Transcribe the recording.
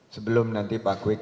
sebelum nanti pak kwik